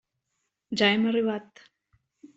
Ja hem arribat.